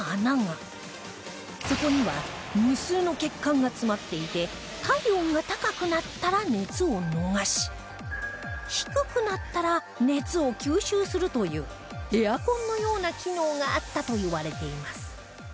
そこには無数の血管が詰まっていて体温が高くなったら熱を逃し低くなったら熱を吸収するというエアコンのような機能があったといわれています